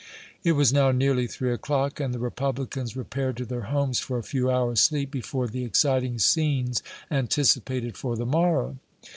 It was now nearly three o'clock, and the Republicans repaired to their homes for a few hours' sleep before the exciting scenes anticipated for the morrow.